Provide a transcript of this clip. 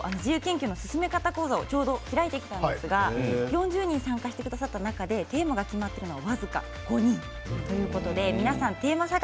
昨日、おとといと自由研究の進め方講座をちょうど開いたんですが４０人参加してくださった中でテーマが決まっていたの僅か５人でした。